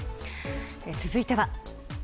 続いては。